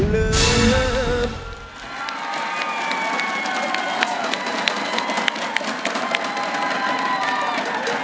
ลืม